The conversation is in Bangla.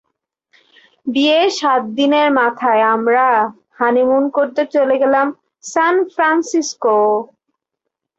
বিয়ের সাত দিনের মাথায় আমরা হানিমুন করতে চলে গেলাম সানফ্রান্সিসকো।